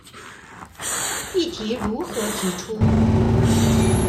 議題如何提出？